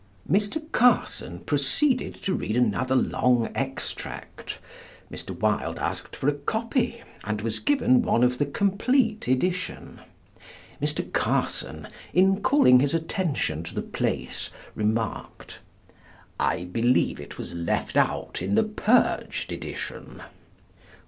Mr. Carson proceeded to read another long extract. Mr. Wilde asked for a copy, and was given one of the complete edition. Mr. Carson in calling his attention to the place, remarked, "I believe it was left out in the purged edition?"